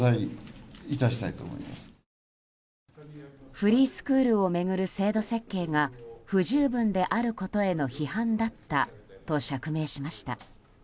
フリースクールを巡る制度設計が不十分であることへの批判だったと釈明しました。